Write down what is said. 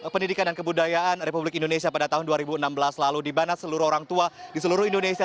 pendidikan dan kebudayaan republik indonesia pada tahun dua ribu enam belas lalu dibanat seluruh orang tua di seluruh indonesia